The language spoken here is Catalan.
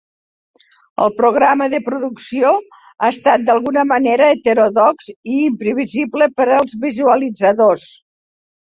El programa de producció ha estat d'alguna manera heterodox i imprevisible per als visualitzadors.